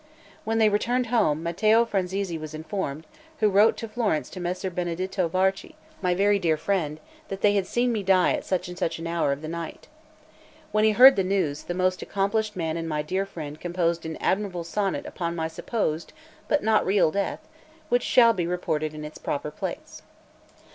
When they returned home, Mattio Franzesi was informed, who wrote to Florence to Messer Benedetto Varchi, my very dear friend, that they had seen me die at such and such an hour of the night. When he heard the news, that most accomplished man and my dear friend composed an admirable sonnet upon my supposed but not real death, which shall be reported in its proper place.